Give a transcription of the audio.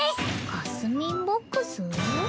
かすみんボックス？